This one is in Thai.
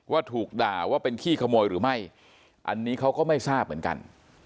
ถูกด่าว่าเป็นขี้ขโมยหรือไม่อันนี้เขาก็ไม่ทราบเหมือนกัน